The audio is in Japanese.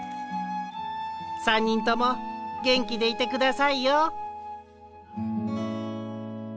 ３にんともげんきでいてくださいよ。